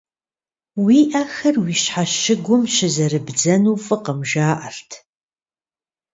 Уи ӏэхэр уи щхьэщыгум щызэрыбдзэну фӏыкъым жаӏэрт.